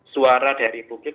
suara dari publik